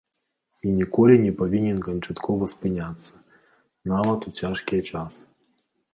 І ніколі не павінен канчаткова спыняцца, нават у цяжкія час.